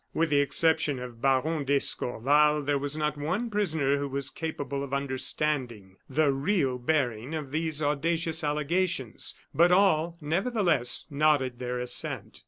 With the exception of Baron d'Escorval, there was not one prisoner who was capable of understanding the real bearing of these audacious allegations; but all, nevertheless, nodded their assent.